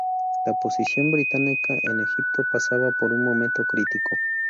La posición británica en Egipto pasaba por un momento crítico.